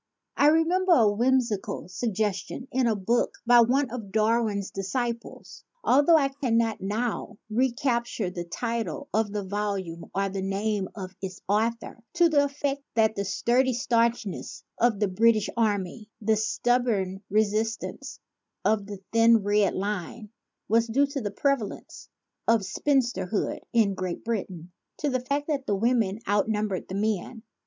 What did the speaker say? I remem ber a whimsical suggestion in a book by one of Darwin's disciples altho I cannot now recap ture the title of the volume or the name of its author to the effect that the sturdy stanch ness of the British army, the stubborn resistance of the "thin, red line" was due to the prevalence 135 ON THE LENGTH OF CLEOPATRA'S NOSE of spinsterhood in Great Britain, to the fact that the women outnumber the men.